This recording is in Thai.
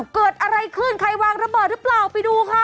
เกิดอะไรขึ้นใครวางระเบิดหรือเปล่าไปดูค่ะ